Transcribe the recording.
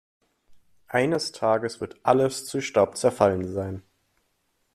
Eines Tages wird alles zu Staub zerfallen sein.